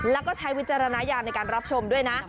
แล้วก็ใช้วิจารณญาณในการรับชมด้วยนะ